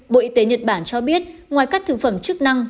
bộ y tế nhật bản cho biết ngoài các thực phẩm chức năng